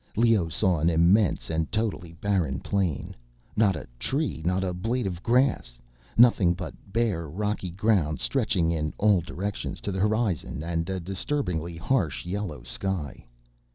Leoh saw an immense and totally barren plain. Not a tree, not a blade of grass; nothing but bare, rocky ground stretching in all directions to the horizon and a disturbingly harsh yellow sky.